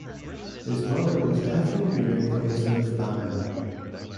His mother was Ethel Mary Elizabeth Bannerman.